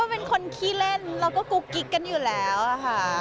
เป็นคนขี้เล่นเราก็กุ๊กกิ๊กกันอยู่แล้วค่ะ